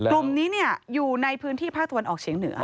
กลุ่มนี้อยู่ในพื้นที่ภาคตะวันออกเฉียงเหนือ